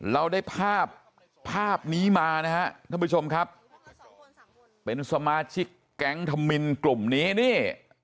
เราได้ภาพภาพนี้มานะฮะท่านผู้ชมครับเป็นสมาชิกแก๊งธมินกลุ่มนี้นี่